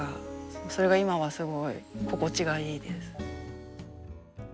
それが今はすごい心地がいいです。